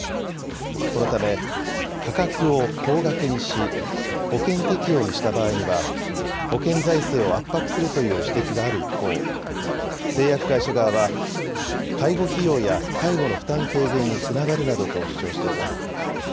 このため、価格を高額にし、保険適用にした場合には、保険財政を圧迫するという指摘がある一方、製薬会社側は、介護費用や介護の負担軽減につながるなどと主張しています。